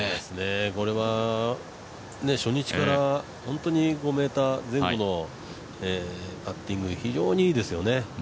これは初日から５ｍ程度のパッティング、非常にいいですよね。